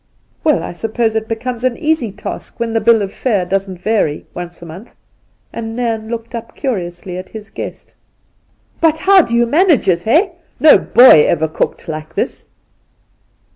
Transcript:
Well, I suppose it becomes an easy task when the bill of fare doesn't vary once a month ;' and Nairn looked up curiously at his guest. * But how do you manage it, eh ? No boy ever cooked like this.'